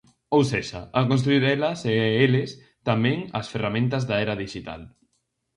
Ou sexa, a construír elas e eles tamén as ferramentas da era dixital.